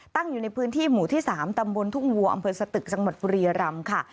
อยู่ในพื้นที่หมู่ที่๓ตำบลทุ่งวัวอำเภอสตึกจังหวัดบุรียรำค่ะ